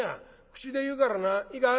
口で言うからないいか？